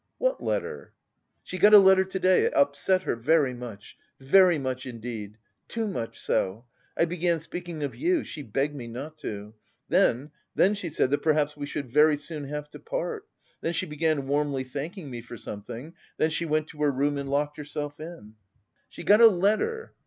"What letter?" "She got a letter to day. It upset her very much very much indeed. Too much so. I began speaking of you, she begged me not to. Then... then she said that perhaps we should very soon have to part... then she began warmly thanking me for something; then she went to her room and locked herself in." "She got a letter?"